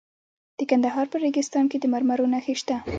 د کندهار په ریګستان کې د مرمرو نښې شته.